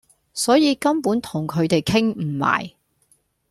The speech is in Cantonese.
所以根本同佢地傾唔埋